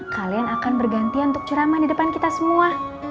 kalian akan bergantian untuk ceramah di depan kita semua